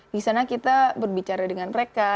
disana kita berbicara dengan mereka